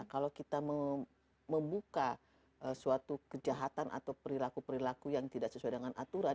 kalau kita membuka suatu kejahatan atau perilaku perilaku yang tidak sesuai dengan aturan